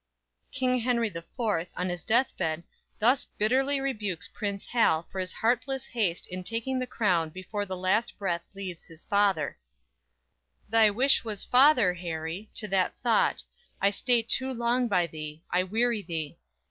"_ King Henry the Fourth, on his deathbed thus bitterly rebukes Prince Hal for his heartless haste in taking the crown before the last breath leaves his father: _"Thy wish was father, Harry, to that thought; I stay too long by thee, I weary thee.